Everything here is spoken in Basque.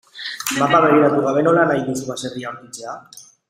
Mapa begiratu gabe nola nahi duzu baserria aurkitzea?